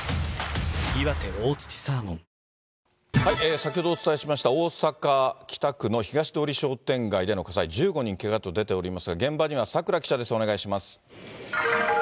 先ほどお伝えしました大阪・北区の東通商店街での火災、１５人けがと出ておりますが、現場には櫻記者です。